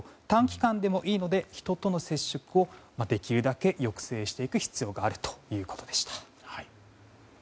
短期間でもいいので人との接触をできるだけ抑制していく必要があるということでした。